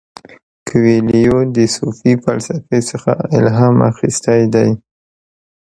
کویلیو د صوفي فلسفې څخه الهام اخیستی دی.